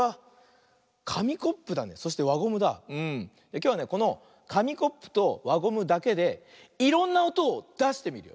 きょうはねこのかみコップとわゴムだけでいろんなおとをだしてみるよ。